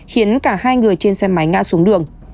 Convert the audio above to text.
khiến cả hai người trên xe máy ngã xuống đường